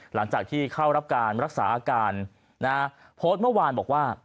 หลังจากที่เข้ารับการรักษาอาการนะฮะโพสต์เมื่อวานบอกว่า